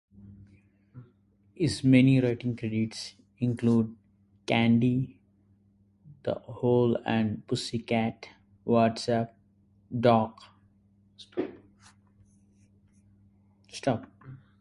His many writing credits include "Candy", "The Owl and the Pussycat", "What's Up, Doc?